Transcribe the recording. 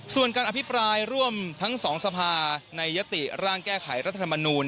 ส่วนการอภิปรายร่วมทั้งสองสภาในยติร่างแก้ไขรัฐธรรมนูล